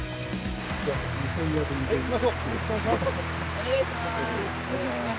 お願いします。